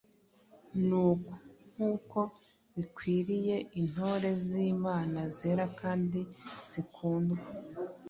Nuko, nk’uko bikwiriye intore z’Imana zera kandi zikundwa,